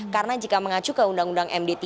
karena jika mengacu ke undang undang md tiga